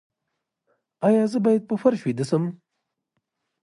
ایا زه باید په فرش ویده شم؟